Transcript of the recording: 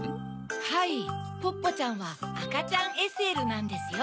・はいポッポちゃんはあかちゃんＳＬなんですよ。